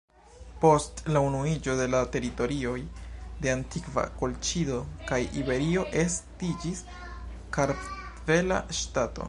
Post la unuiĝo de la teritorioj de antikva Kolĉido kaj Iberio estiĝis Kartvela ŝtato.